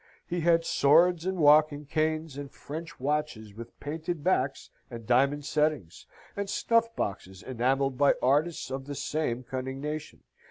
He had swords and walking canes, and French watches with painted backs and diamond settings, and snuff boxes enamelled by artists of the same cunning nation.